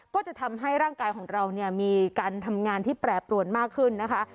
ก็จะทำให้ร่างกายของเราเนี่ยมีการทำงานที่แปรปรวนมากขึ้นนะคะ